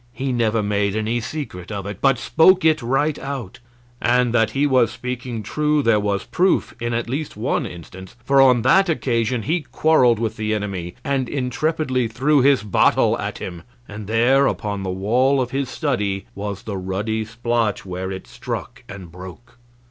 He never made any secret of it, but spoke it right out. And that he was speaking true there was proof in at least one instance, for on that occasion he quarreled with the enemy, and intrepidly threw his bottle at him; and there, upon the wall of his study, was the ruddy splotch where it struck and broke.